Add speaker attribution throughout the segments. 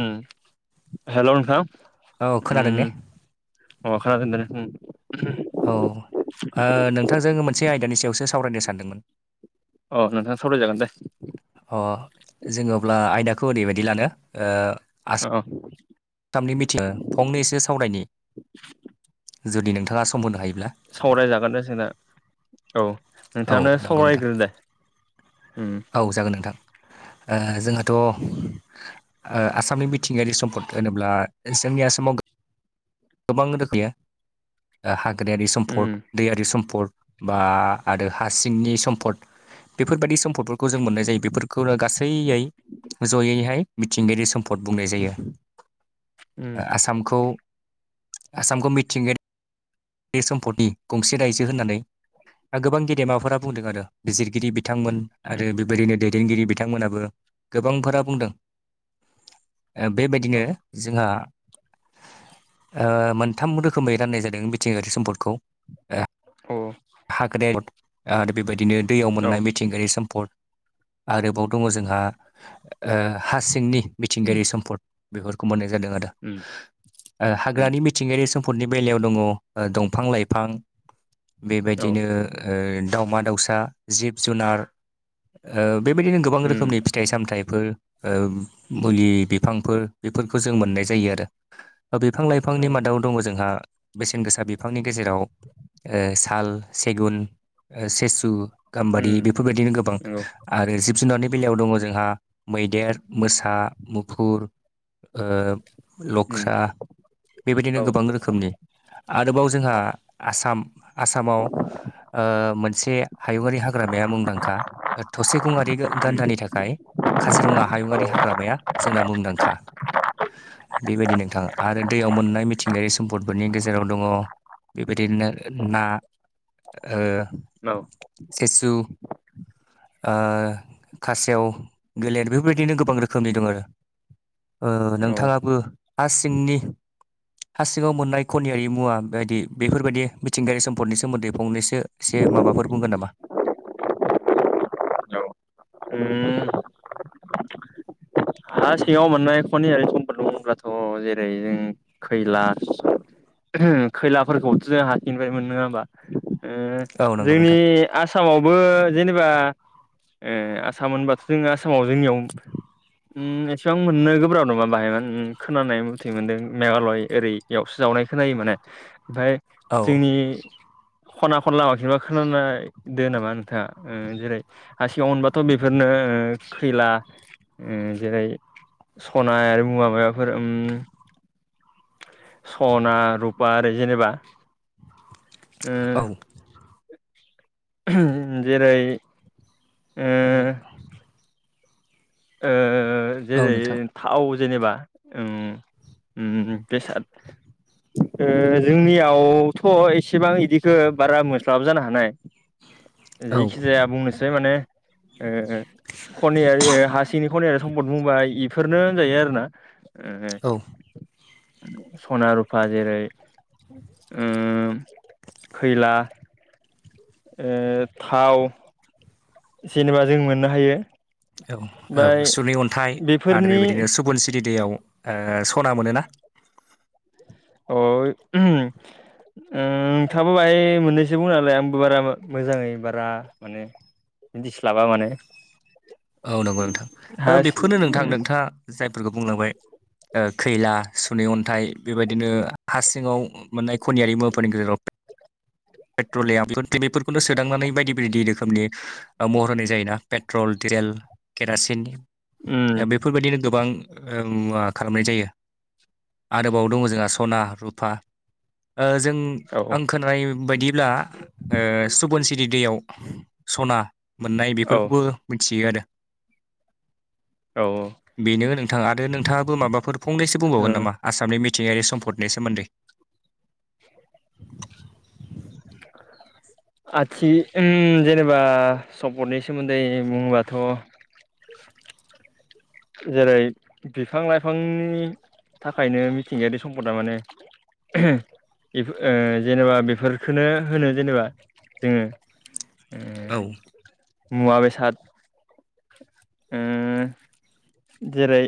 Speaker 1: उम हेल नोंथां
Speaker 2: औ खोनादों
Speaker 1: उम
Speaker 2: ने
Speaker 1: अ खोना दोन
Speaker 2: औ ओ नोंथांजों मोनसे आयदानि सायावसो सावरायनो सानदोंमोन
Speaker 1: अ नोंथाङा सावराय जागोन दे
Speaker 2: अ जों अब्ला आयदाखौ ओरैबायदि लानो ओ
Speaker 1: औ
Speaker 2: थामनि मिथिङ फंनै एसे सावरायनि जुदि नोंथाङा सम होनो हायोब्ला
Speaker 1: सावरायजागोन‌ जोंना औ
Speaker 2: औ
Speaker 1: नोंथाङानो
Speaker 2: नंगौ नोंथां
Speaker 1: सावरायग्रो‌ दे
Speaker 2: औ जागोन नोंथां। ओ जोंहाथ आसामनि बिथिंगायारि सम्पद होनोब्ला जोंनि आसामाव गोबां रोखैयो हाग्रायारि
Speaker 1: उम
Speaker 2: सम्पद दैयारि सम्पद बा आरो हा सिंनि सम्फद बेफोरबायदि सम्फदफोरखौ जों मोननाय जायो बेफोरखौनो गासैयै जयैहाय मिथिंगायारि सोम- भट बुंनाय जायो।
Speaker 1: उम
Speaker 2: आसामखौ आसामखौ मिथिंगायारि बे सम्फदनि गंसे रायजो होननानै। गोबां गेदेमाफोरा बुंदों आरो बिजिरगिरि बिथांमोन आरो बेबायदिनो दैदेनगिरि बिथ बिथांमोनाबो गोबांफोरा बुंदों बेबायदिनो।
Speaker 1: औ
Speaker 2: जोंहा मोनथाम रोखोमै राननाय जादों मिथिंगायारि सम्पदखौ।
Speaker 1: औ
Speaker 2: हाग्रायाव आरो बेबायदिनो दैयाव
Speaker 1: औ
Speaker 2: मोननाय। थिंगायारि सम्पद आरोबाव दङ जोंहा। हा सिंनि मिथिंगायारि सम्पद बेफोरखौ मोननाय जादों आरो
Speaker 1: उम उम
Speaker 2: हाग्रानि मिथ थिंगायारि सम्पदनि बेलायाव दङ दंफां लाइफां
Speaker 1: औ
Speaker 2: बेबायदिनो। ओ-दावमा दाउसा जिब जुनार। ओ-बेबायदिनो गोबां
Speaker 1: उम
Speaker 2: रोखोमनि फिथाइ सामथाइफोर। ओ-मुलि बिफांफोर बेफोरखौ जों मोननाय जायो आरो। बिफां लाइफांनि
Speaker 1: औ
Speaker 2: मादाव दङ जोंहा बेसेन गोसा बिफांनि गेजेराव ओ-साल। सेगुन सेसु गाम्बारि
Speaker 1: उम
Speaker 2: बेफोरबायदिनो गोबां।
Speaker 1: नंगौ
Speaker 2: आरो जिब जुनारनि बेलायाव दङ जोंहा मैदेर मोसा मुखुर
Speaker 1: उम
Speaker 2: ओ-लख्रा बेबायदिनो
Speaker 1: औ
Speaker 2: गोबां
Speaker 1: उम
Speaker 2: रोखो खोमनि आरोबाव जोंहा आसाम आसामाव। ओ-मोनसे हायुङारि हाग्रामाया मुंदांखा थसे गंआि गान्दानि थाखाय। काजिरङा हायुङारि हाग्रामाया जोंना मुंदांखा। बेबायदि नोंथाङा आरो दैयाव मोननाय मिथिंगायारि सम्पदफोरनि गेजेराव दङ। बेबायदिनो ना, ओ
Speaker 1: नाव
Speaker 2: सिसु ओ खासेयाव, गोलेर बेफोरबायदिनो गोबां रोखोमनि दं आरो। ओ
Speaker 1: औ
Speaker 2: नोंथाङाबो हा सिंनि हा सिङाव मोननाय खनियारि मुवा बायदि बेफोरबायदि मिथिंगायारि सम्पदनि सोमोन्दै फंनैसो एसे माबाफोर बुंगोन नामा?
Speaker 1: औ उम हा सिङाव मोननाय खनियारि सम्पटफोर दं होनब्लाथ' जेरै जों खैला, खैलाफोरखौथ' जों हासिंनिफ्रायमोनो नङा होमबा। ओ
Speaker 2: औ नंगौ
Speaker 1: जोंनि
Speaker 2: नोंथां
Speaker 1: आसामावबो जेनेबा ओ आसाम होनबाथ' जों आसामाव जोंनियाव उम एसिबां मोननो गोब्राब नङा बाहाय खोनानाय मथै मोनदों मेघालय ओरै। एयावसो जावनाय खोननायो माने ओमफाय
Speaker 2: औ
Speaker 1: जोंनि खना खला माखिबा खोनानाय दो नामा नोंथाङा जेरै हा सिगाव अनबाथ' बेफोरनो खैला। ओ जेरै सनाय आरो मुवा माबाफोर उम। सना, रुपा आरो जेनेबा ओ जेरै
Speaker 2: ओ
Speaker 1: ओ
Speaker 2: औ
Speaker 1: जेरै
Speaker 2: नोंथां
Speaker 1: थाव जेनेबा ओं उम बेसाद। ओ जोंनियावथ' एसेबां इदिखो बारा मोनस्लाबो जानो हानाय।
Speaker 2: औ
Speaker 1: जिखि जाया बुंनोसै माने ओ खनियारि ओ हा सिनिखौ नायना सम्पद बुंबा इफोरनो होनजायो आरो ना। ओ
Speaker 2: औ
Speaker 1: सना, रुफा जेरै खैला। ओ थाव। जेनेबा जों मोननो हायो।
Speaker 2: औ औ
Speaker 1: ओमफ्राय
Speaker 2: सुनि अन्थाइ आरो
Speaker 1: बेफोरनि
Speaker 2: बेबायदिनो सुबुन स्रिरि दैयाव ओ सना मोनो ना।
Speaker 1: अ उम थाबो बाहाय मोननैसो बुंना होलाय आंबो बारा मोजाङै बारा माने मिथिस्लाबा माने।
Speaker 2: औ नंगौ नोंथां। ओ
Speaker 1: हा
Speaker 2: बिफोरनो नोंथां
Speaker 1: सि
Speaker 2: नोंथाङा जायफोरखौ बुंलांबाय। ओ खैला, सुनै अन्थाइ बेबायदिनो हा सिङाव मोननाय खनियारि मुवफोरनि गेजेराव पेट्रलियामफोर बेफोरखौनो सोदांनानै बायदि बायदि रोखोमनि ओ महर होनाय जायो ना। पेट्रल डिजेल केरासिननि
Speaker 1: ओम
Speaker 2: ओ बेफोरबायदिनो गोबां ओ मुवा खालामनाय जायो। आरोबाव दङ जोंहा सना, रुफा ओ जों
Speaker 1: औ
Speaker 2: आं खोनानाय बायदिब्ला ओ सुबुन सिरि दैयाव सना मोननाय बेफोरखौबो मिथियो आरो।
Speaker 1: औ औ
Speaker 2: बेनो नोंथां आरो नोंथाङाबो माबाफोर फंनैसो
Speaker 1: ओ
Speaker 2: बुंबावगोन नामा? आसामनि मिथिंगायारि सम्पदनि सोमोन्दै। [inaudible]
Speaker 1: आथि उम जेनेबा सम्फदनि सोमोन्दै बुङोबाथ' जेरै बिफां लाइफांनि थाखायनो मिथिंगायारि सम्पदा माने। [unintelligible] इफ ओ जेनेबा बेफोरखोनो होनो जेनेबा जोङो। ओ
Speaker 2: औ।
Speaker 1: मुवा बेसाद उम जेरै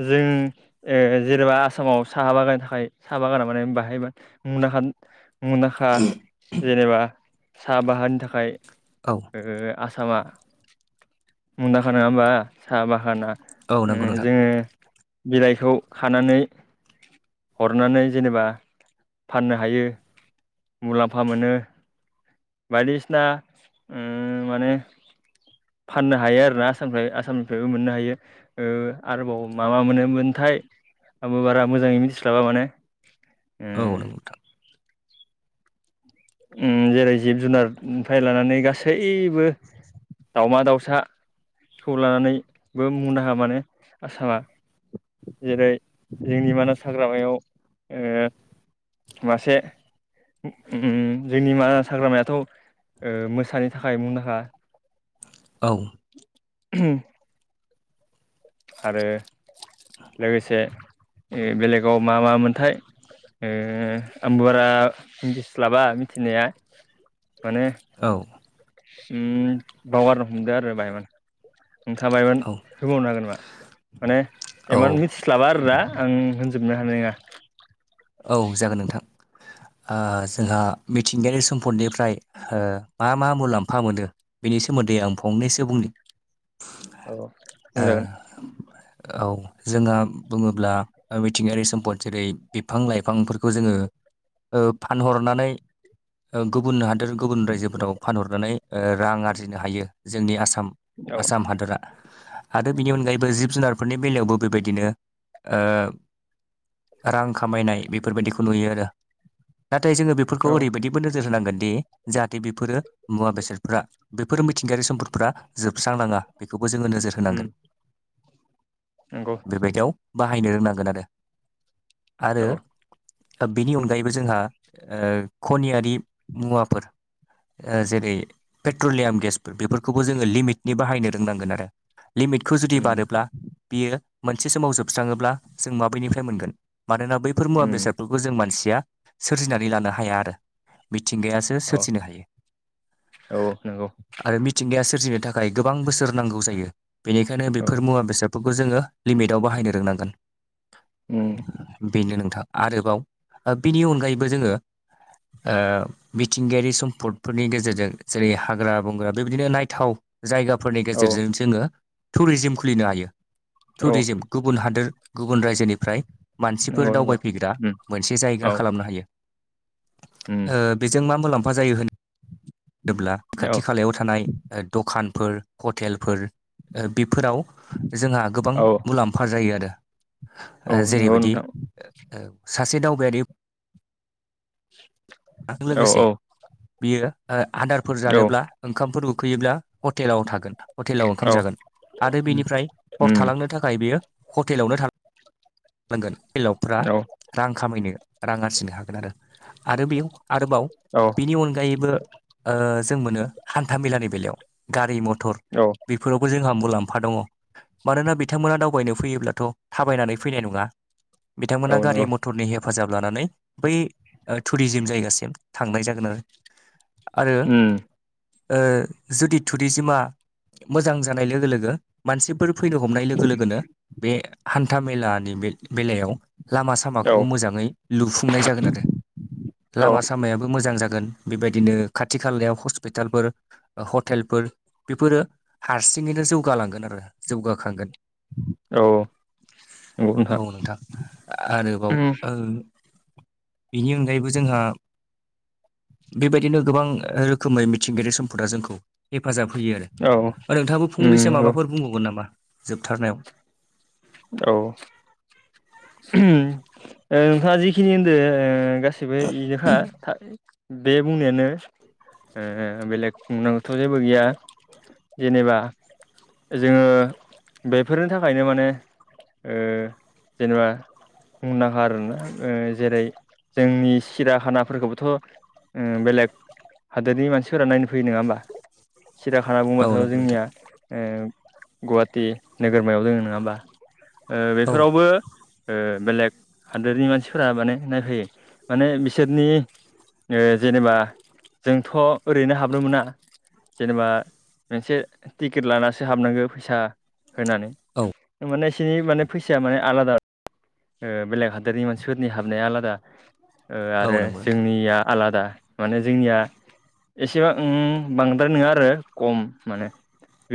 Speaker 1: जों ए जेनेबा आसामाव साहा बागाननि थाखाय साहा बागाना माने बाहाय मुंदांखा मुदखा जेनेबा साहा बाहानि थाखाय
Speaker 2: औ
Speaker 1: आसामा मुंदांखा नङा होमबा साहा बागाना
Speaker 2: औ नंगौ
Speaker 1: उम
Speaker 2: नोंथां
Speaker 1: जोङो बिलाइखौ खानानै हरनानै जेनेबा फाननो हायो। मुलाम्फा मोनो बायदिसिना उम माने फाननो हायो आरोना आसामनिफ्राय आसामनिफ्रायबो मोननो हायो आरोबाव माबा मोनोमोनथाय आंबो बारा मोजाङै मिथिस्लाबा माने उम
Speaker 2: ओव नोंथा।
Speaker 1: उम जेरै जिब जुनारनिफ्राय लानानै गासैबो दाउमा दाउसा खौ लानानैबो मुंदांखा माने आसामा। जेरै जोंनि मानास हाग्रामायाव ओ मासे उम जोंनि मानास हाग्रामायाथ' मोसानि थाखाय मुंदांखा।
Speaker 2: औ।
Speaker 1: [unintelligible] आरो लोगोसे ओ बेलेगाव मा मा मोनथाय ओम आंबो बारा मिन्थिस्लाबा मिथिनाया माने
Speaker 2: औ।
Speaker 1: उम बावगारनो हमदो आरो बाय नोंथाङा बायमान
Speaker 2: औ
Speaker 1: होबावनो हागोन नामा माने
Speaker 2: औ
Speaker 1: एमान मिथि स्लाबा आरोदा आं होनजोबनो हानाय नङा।
Speaker 2: ओव जागोन नोंथां। ओ जोंहा मिथिंगायारि सम्पदनिफ्राय ओ मा मा मुलाम्फा मोनदो बेनि सोमोन्दै आं फंनैसो बुंनि।
Speaker 1: अव बुंजागोन।
Speaker 2: ओव जोंहा बुङोब्ला मिथिंगायारि सम्पद जेरै बिफां लाइफांफोरखौ जोङो ओ फानहरनानै गुबुन हादोर गुबुन रायजोफोराव फानहरनानै रां आरजिनो हायो जोंनि आसाम
Speaker 1: औ
Speaker 2: आसाम हादरा। आरो बिनि अनगायैबो जिब जुनारफोरनि बेलायावबो बेबायदिनो ओ रां खामायनाय बेफोरबायदिखौ नुयो आरो नाथाय जोङो बेफोरखौ
Speaker 1: औ
Speaker 2: ओरैबायदि बो नोजोर होनांगोनदि जाहाथे बेफोरो मुवा बेसादफ्रा बेफोर मिथिंगायारि सम्दफोरा जोबस्रांनाङा। बेखौबो जोङो नोजोर
Speaker 1: उम
Speaker 2: होनांगोन
Speaker 1: नंगौ
Speaker 2: बेबायदियाव बाहायनो रोंनांगोन आरो।
Speaker 1: औ
Speaker 2: आरो बेनि अनगायैबो जोंहा खनियारि मुवाफोर जेरै पेट्रलियाम गेसफोर बेफोरखौबो जोङो लिमिटनि बाहायनो रोंनांगोन आरो। लिमिटखौ जुदि
Speaker 1: उम
Speaker 2: बारोब्ला बियो मोनसे समाव जोबस्राङोब्ला जों माब्रैनिफ्राय मोनगोन। मानोना बैफोर मुवा
Speaker 1: उम
Speaker 2: बेसादफोरखौ जों मानसिया सोरजिनानै लानो हाया आरो मिथिंगाया
Speaker 1: औ
Speaker 2: सोरजिनो हायो।
Speaker 1: औ नंगौ
Speaker 2: आरो मि मिथिंगाया सोरजिनो थाखाय गोबां बोसोर नांगौ जायो बेनिखायनो
Speaker 1: औ
Speaker 2: बेफोर मुवा बेसाद बेफोरखौ जोङो लिमिटाव बाहायनो रोंनांगोन।
Speaker 1: उ
Speaker 2: बेनो नोंथां आरोबाव बेनि अनगायैबो जोङो ओ मिथिंगायारि सम्पदफोरनि गेजेरजों जेरै हाग्रा बंग्रा बेबायदिनो नायथाव जायगाफोरनि गेजेरजों जोङो टुरिजिम खुलिनो हायो
Speaker 1: औ
Speaker 2: टुरिजिम गुबुन हादोर गुबुन रायजोनिफ्राय मानसिफोर
Speaker 1: नंगौ नंगौ
Speaker 2: दावबायफैग्रा
Speaker 1: उम
Speaker 2: मोनसे जायगा
Speaker 1: औ
Speaker 2: खालामनो हायो।
Speaker 1: उम
Speaker 2: ओ बेजों मा मुलाम्फा जायो होन दोब्ला खाथि
Speaker 1: औ
Speaker 2: खालायाव थानाय ओ दखानफोर हथेलफोर ओ बेफोराव जोंहा गोबां
Speaker 1: औ
Speaker 2: मुलाम्फा जायो आरो
Speaker 1: औ
Speaker 2: ओ
Speaker 1: नंगौ
Speaker 2: जेयैबायद
Speaker 1: नोंथां
Speaker 2: ओ ओ सासे दावबायारि आ
Speaker 1: औ
Speaker 2: लोगोसे
Speaker 1: औ
Speaker 2: बियो ओ आदारफोर जानोब्ला ओंखामफोर उखैयोब्ला हटेलाव थागोन हटेलाव ओंखाम
Speaker 1: औ औ
Speaker 2: जागोन आरो
Speaker 1: उम
Speaker 2: बेनिफ्राय हर
Speaker 1: उम
Speaker 2: थालांनो थाखाय बेयो हटेलावनो थानांगोन हेलावफ्रा
Speaker 1: औ
Speaker 2: रां खामायनो रां आरजिनो हागोन आरो आरो बेयाव आरोबाव
Speaker 1: औ
Speaker 2: बेनि अनगायैबो ओ जों मोनो हान्थामेलानि बेलायाव गारि मथर
Speaker 1: औ।
Speaker 2: बेफोरावबो जोंहा मुलाम्फा दङ'। मानोना बिथांमोना दावबायनो फैयोब्लाथ' थाबायनानै फैनाय नंला बिथांमोना
Speaker 1: औ
Speaker 2: गारि
Speaker 1: नंगौ
Speaker 2: मथरनि हेफाजाब लानानै बै ओ थुरिजिम जायगा सिम थांनाय जागोन आरो आरो
Speaker 1: उम
Speaker 2: ओ जुदि थुरिजिमा मोजां जानाय लोगो लोगो मानसिफोर फैनो हमनाय लोगो लोगोनो बे हान्था मेलानि बे बेलायाव लामा
Speaker 1: औ
Speaker 2: सामाखौबो मोजाङै लुफुंनाय जागोन आरो।
Speaker 1: औ
Speaker 2: लामा सामायाबो मोजां जागोन बेबायदिनो खाथि खालायाव हस्पिटालफोर ओ हटेलफोर बेफोरो हारसिङैनो जौगालांगोन आरो जौगाखांगोन
Speaker 1: औ औ।
Speaker 2: औ नोंथां आरोबाव
Speaker 1: उम
Speaker 2: ओ बेनि अन [unintelligible] जोंहा बेबायदिनो गोबां रोखोमै मिथिंगायारि सम्पदा जोंखौ हेफाजाब होयो आरो
Speaker 1: औ
Speaker 2: ओ नोंथाङाबो
Speaker 1: उम
Speaker 2: फंनैसो
Speaker 1: नंगौ
Speaker 2: माबाफोर बुंबावगोन नामा जोबथारनायाव
Speaker 1: औ ओ नोंथाङा जिखिनि होनदों गाससिबो इनोखा खा बे बुंनायानो ओ बेलेग बुंनांगौथ' जेबो गैया जेनेबा जोङो बेफोरनि थाखायनो माने ओ जेनेबा मुंदांखा आरोना ओ जेरै जोंनि सिराखानाफोरखौबोथ' ओ बेलेग हादोरनि मानसिफोरा नायनो फैयो नोङा ओमबा सिराखाना
Speaker 2: औ
Speaker 1: बुंबाथ'
Speaker 2: नंगौ नोंथां
Speaker 1: जोंनिया ओ गुवाहाटि नोगोरमायाव दोङो नोङा ओमबा? ओ
Speaker 2: औ
Speaker 1: बेफोरावबो ओ बेलेग हादोरनि मानसिफोरा माने नायफैयो माने बिसोरनि ओ जेनेबा जोंथ' ओरैनो हाबनो मोना जेनेबा मोनसे टिकिट लानासो हाबनांगो फैसा होनानै
Speaker 2: औ।
Speaker 1: ओ माने इसिनि माने फैसाया माने आलादा ओ बेलेग हादोरनि मानसिफोरनि हाबनाया आलादा ओ
Speaker 2: औ
Speaker 1: आरो
Speaker 2: नंगौ नोंथां
Speaker 1: जोंनिया आलादा माने जोंनिया एसेबा उम बांद्राय नोङा आरो कम माने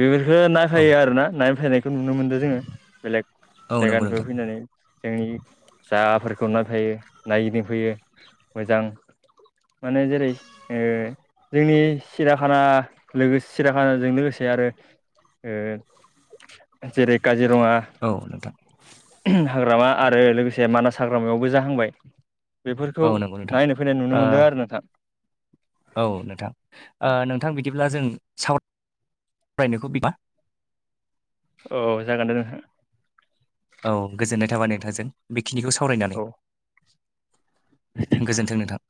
Speaker 1: बेफोरखो
Speaker 2: औ
Speaker 1: नायफायो आरो ना नायफायनायखो नुनो मोनदों जोङो बेलेग
Speaker 2: औ नंगौ नोंथां
Speaker 1: जायगानिफ्राय फैनानै जोंनि जागाफोरखौ नायफैयो नायगिदिंफैयो मोजां माने जेरै ओ जोंनि सिराखाना लोगोसे सिराखानाजों लोगोसे आरो ओ जेरै काजिरङा
Speaker 2: औ नोंथां।
Speaker 1: हाग्रामा आरो लोगोसे मानास हाग्रामायावबो जाहांबाय बेफोरखौ
Speaker 2: औ नंगौ नोंथां
Speaker 1: नायनो फैनाय नुनो मोनदों आरो नोंथां।
Speaker 2: औ नोंथां ओ-नोंथां बिदिब्ला जों साव रायनायखौ बिबा
Speaker 1: औ जागोन दे नोंथां।
Speaker 2: औ गोजोननाय थाबाय नोंथांजों बेखिनिखौ सावरायनानै।
Speaker 1: औ
Speaker 2: गोजोन्थों नोंथां।